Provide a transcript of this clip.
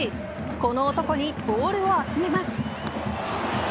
この男にボールを集めます。